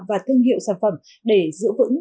và thương hiệu sản phẩm để giữ vững